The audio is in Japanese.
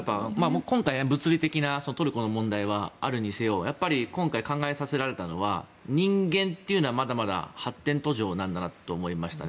今回、物理的なトルコの問題はあるにせよやっぱり、今回考えさせられたのは人間というのはまだまだ発展途上なんだなと思いましたね。